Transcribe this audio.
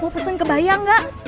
mau pesan ke bayang tidak